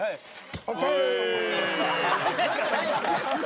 ＯＫ。